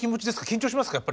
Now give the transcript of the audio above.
緊張しますか？